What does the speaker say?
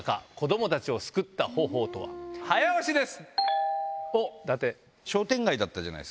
早押しです。